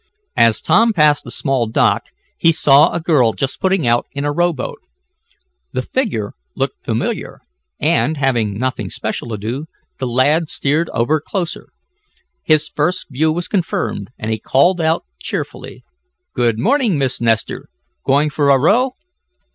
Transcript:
As Tom passed a small dock he saw a girl just putting out in a rowboat. The figure looked familiar and, having nothing special to do, the lad steered over closer. His first view was confirmed, and he called out cheerfully: "Good morning, Miss Nestor. Going for a row?"